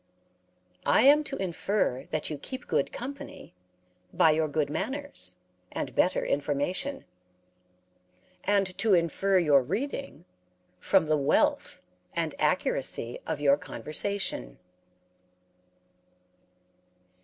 I am to infer that you keep good company by your good manners and better information; and to infer your reading from the wealth, and accuracy of your conversation."